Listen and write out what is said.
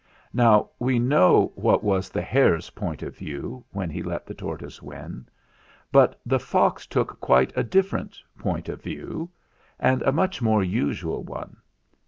8 "Now we know what was the hare's Point of View when he let the tortoise win ; but the fox took quite a different Point of View, and a much more usual one.